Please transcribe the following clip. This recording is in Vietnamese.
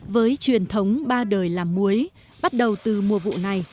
với truyền thống ba đời làm muối bắt đầu từ mùa vụ này